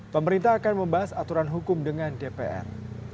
pemerintah akan membahas aturan hukum dengan dpr